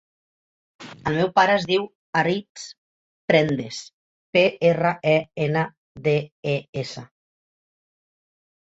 El meu pare es diu Aritz Prendes: pe, erra, e, ena, de, e, essa.